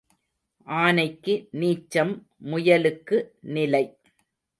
ஆனைக்கு நீச்சம், முயலுக்கு நிலை.